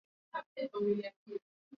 Wananchi wa Afrika Mashariki hivi sasa